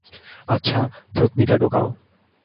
আচ্ছা, থুতনিটা ঢোকাও।